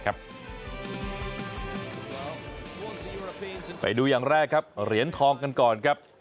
ไปดูอย่างแรกครับเหรียญทองกันก่อนครับ